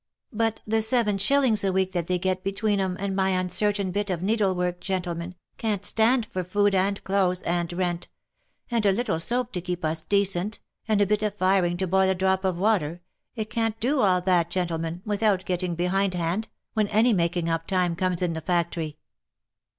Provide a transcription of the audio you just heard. But the seven shillings a week that they get between 'em, and my uncertain bit of needle work, gentlemen, can't stand for food, and clothes, and rent' — and a little soap to keep us decent, and a bit of firing to boil a drop of water — it can't do all that, gentlemen, without getting behindhand, when any making up time comes in the factory."